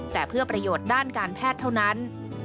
แต่เพื่อประโยชน์ด้านการแพทย์เท่านั้น